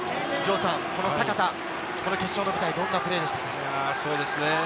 この阪田、決勝の舞台、どんなプレーでしたか？